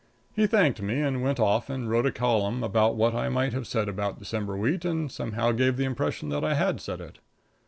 He thanked me and went off and wrote a column about what I might have said about December wheat, and somehow gave the impression that I had said it.